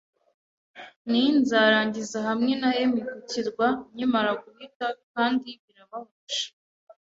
ni. Nzarangiza hamwe na 'em ku kirwa, nkimara guhita, kandi birababaje.